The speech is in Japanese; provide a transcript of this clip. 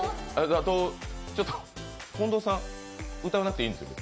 ちょっと近藤さん、歌わなくていいんですか？